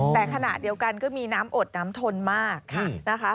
แต่ขณะเดียวกันก็มีน้ำอดน้ำทนมากนะคะ